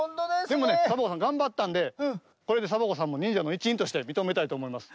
でもねサボ子さんがんばったんでこれでサボ子さんもにんじゃのいちいんとしてみとめたいとおもいます。